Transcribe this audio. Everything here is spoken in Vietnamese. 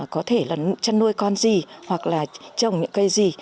có thể là chăn nuôi con gì hoặc là trồng những cây gì